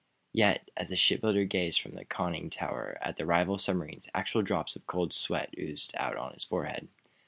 Yet, as the shipbuilder gazed from the conning tower at the rival submarines actual drops of cold sweat oozed out on his forehead.